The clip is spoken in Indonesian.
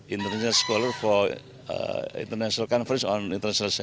ia adalah pesantren internasional untuk pembukaan internasional